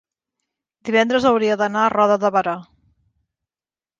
divendres hauria d'anar a Roda de Berà.